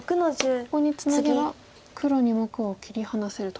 ここにツナげば黒２目を切り離せると。